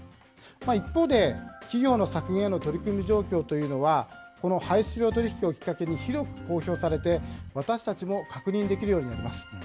一方で、企業の削減への取り組み状況というのは、この排出量取引をきっかけに、広く公表されて、私たちも確認できるようになります。